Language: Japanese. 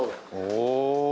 おお。